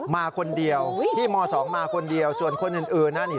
มาคนเดียวพี่ม๒มาคนเดียวส่วนคนอื่นนั่นนี่